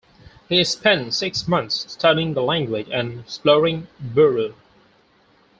He spent six months studying the language and exploring Buru.